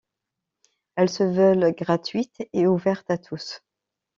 Elles se veulent gratuites et ouvertes à tous.